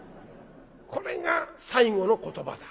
これが最期の言葉だ。